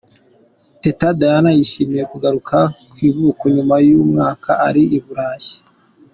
Teta Diana yishimiye kugaruka ku ivuko nyuma y’ umwaka ari I Burayi.